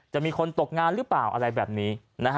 จะมีคนตกงานหรือเปล่าอะไรแบบนี้